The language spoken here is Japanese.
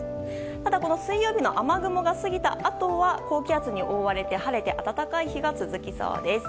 ただ水曜日の雨雲が過ぎたあとは高気圧に覆われて晴れて暖かい日が続きそうです。